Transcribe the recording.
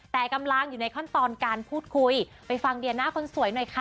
แต่กำลังอยู่ในขั้นตอนการพูดคุยไปฟังเดียน่าคนสวยหน่อยค่ะ